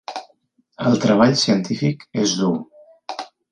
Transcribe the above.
El treball científic és dur.